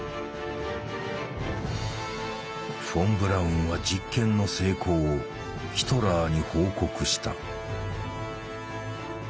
フォン・ブラウンは実験の成功をヒトラーに報告した。